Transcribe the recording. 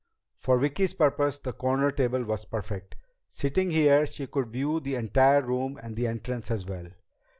For Vicki's purpose, the corner table was perfect. Sitting here, she could view the entire room and the entrance as well.